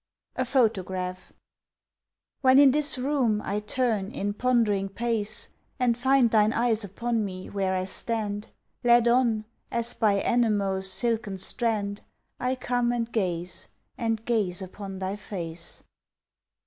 A Photograph When in this room I turn in pondering pace And find thine eyes upon me where I stand, Led on, as by Enemo's silken strand, I come and gaze and gaze upon thy face.